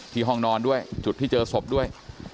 ห้องนอนด้วยจุดที่เจอศพด้วย